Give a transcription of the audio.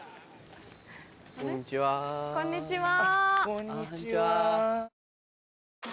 こんにちは。